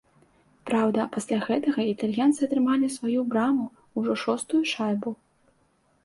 Праўда, пасля гэтага італьянцы атрымалі ў сваю браму ўжо шостую шайбу.